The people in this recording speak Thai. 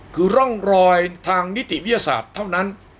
คือร่องรอยทางนิติวิทยาศาสตร์เท่านั้น